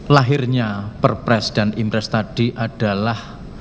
lahirnya perpres dan impres tadi adalah